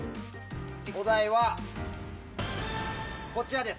お題はこちらです。